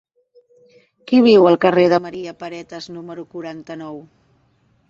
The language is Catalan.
Qui viu al carrer de Maria Paretas número quaranta-nou?